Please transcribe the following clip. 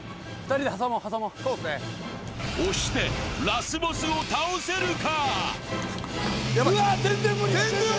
押してラスボスを倒せるか？